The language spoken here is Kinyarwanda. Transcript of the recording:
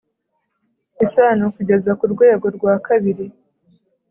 isano kugeza ku rwego rwa kabiri